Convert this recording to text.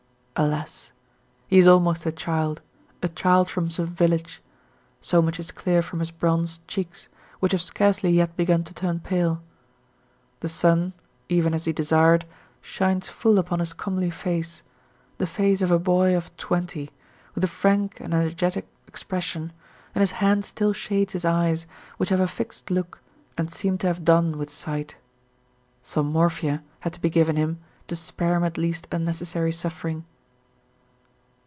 Alas! he is almost a child, a child from some village; so much is clear from his bronzed cheeks, which have scarcely yet begun to turn pale. The sun, even as he desired, shines full upon his comely face, the face of a boy of twenty, with a frank and energetic expression, and his hand still shades his eyes, which have a fixed look and seem to have done with sight. Some morphia had to be given him to spare him at least unnecessary suffering.